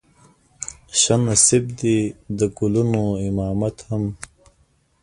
شه نصيب دې د ګلونو امامت هم